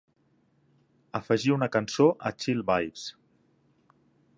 afegir una cançó a Chill Vibes